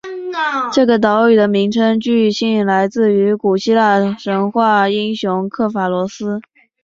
这个岛屿的名称据信来自于古希腊神话英雄刻法罗斯。